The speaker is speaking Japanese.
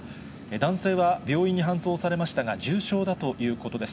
男性は病院に搬送されましたが重傷だということです。